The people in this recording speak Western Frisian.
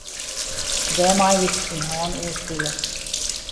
Dêrmei hied er syn hân oerspile.